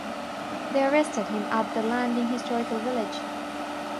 They arrested him at The Landing historical village.